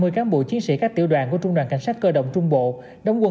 hai trăm năm mươi cán bộ chiến sĩ các tiểu đoàn của trung đoàn cảnh sát cơ động trung bộ đóng quân